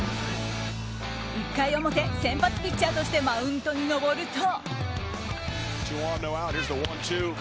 １回表、先発ピッチャーとしてマウンドに上ると。